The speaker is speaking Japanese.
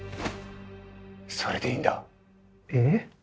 それでいいんだ。え？